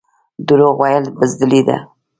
دروغ ویل بزدلي ده